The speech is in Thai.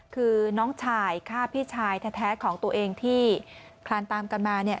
คือน้องชายฆ่าพี่ชายแท้ของตัวเองที่คลานตามกันมาเนี่ย